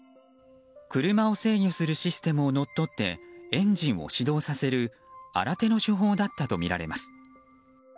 車を制御するシステムをのっとってエンジンを始動させる新手の手法だったとみられます。